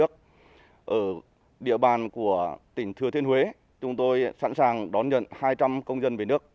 ở địa bàn của tỉnh thừa thiên huế chúng tôi sẵn sàng đón nhận hai trăm linh công dân về nước